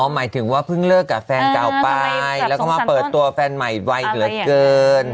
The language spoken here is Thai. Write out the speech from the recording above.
หมายถึงว่าเพิ่งเลิกกับแฟนเก่าไปแล้วก็มาเปิดตัวแฟนใหม่ไวเหลือเกิน